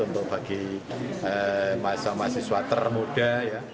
untuk bagi mahasiswa mahasiswa termuda ya